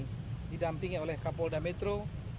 yang didampingi oleh kapolda metro